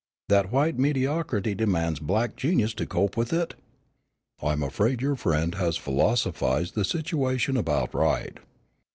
That white mediocrity demands black genius to cope with it?" "I am afraid your friend has philosophized the situation about right."